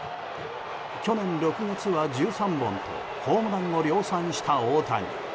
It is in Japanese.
去年６月は１３本とホームランを量産した大谷。